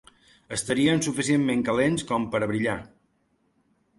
Estarien suficientment calents com per a brillar.